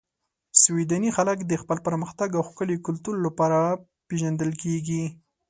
سویدني خلک د خپل پرمختګ او ښکلي کلتور لپاره پېژندل کیږي.